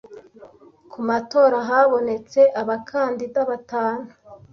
Ku matora habonetse abakandida batanu